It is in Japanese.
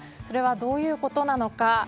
それはどういうことなのか。